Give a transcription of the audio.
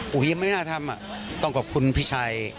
ยังไม่น่าทำต้องขอบคุณพี่ชัย